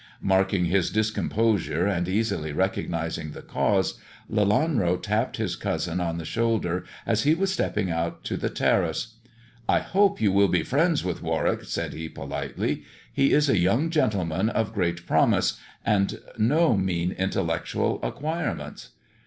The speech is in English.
Marking his discomposure, and easily recognizing the cause, Lelanro tapped his cousin on the shoulder as he was stepping out on to the terrace. "I hope you will be friends with Warwick," said he politely, "he is a young gentleman of great promise and no mean intellectual acquirements."